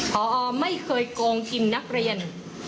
พอไม่เคยโกงทีมนักเรียน